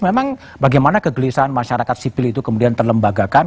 memang bagaimana kegelisahan masyarakat sipil itu kemudian terlembagakan